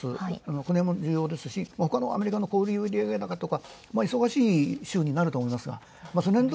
それも重要ですしほかのアメリカの雇用売上高とか忙しい週になると思います。